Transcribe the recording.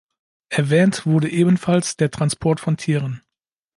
Erwähnt wurde ebenfalls der Transport von Tieren.